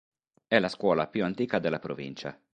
È la scuola più antica della provincia.